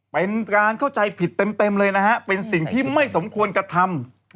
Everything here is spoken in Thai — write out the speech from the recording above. เป็นการเข้าใจผิดเต็มเลยนะฮะเป็นสิ่งที่ไม่สมควรกระทำ